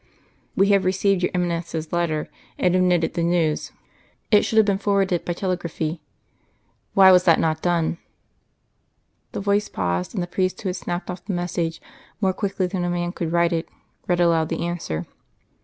"We have received your Eminence's letter, and have noted the news.... It should have been forwarded by telegraphy why was that not done?" The voice paused, and the priest who had snapped off the message, more quickly than a man could write it, read aloud the answer.